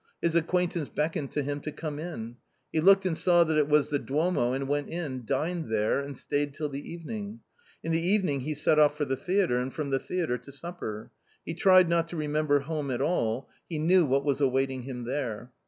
His acquaintance beckoned to him to come in. He looked and saw it was the Duomo and went in, dined there and stayed till the evening ; in the evening he set off for the theatre and from the theatre to supper. He tried not to remember home at all; he knew what was awaiting him there.